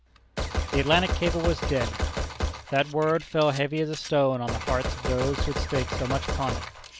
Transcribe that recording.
The Atlantic cable was dead! That word fell heavy as a stone on the hearts of those who had staked so much upon it.